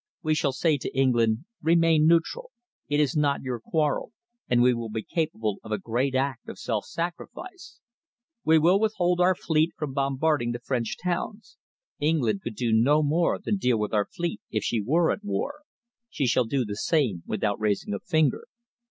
We shall say to England 'Remain neutral. It is not your quarrel, and we will be capable of a great act of self sacrifice. We will withhold our fleet from bombarding the French towns. England could do no more than deal with our fleet if she were at war. She shall do the same without raising a finger.'